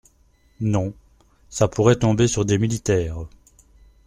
Non… ça pourrait tomber sur des militaires.